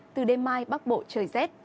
từ đêm mai bắc bộ trời rét